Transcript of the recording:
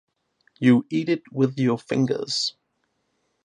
You eat it with your fingers.